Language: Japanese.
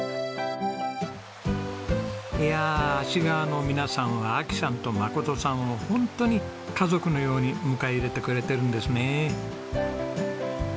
いやあ芦川の皆さんは亜紀さんと真さんをホントに家族のように迎え入れてくれてるんですね。